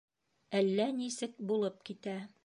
Әллә нисек булып китә.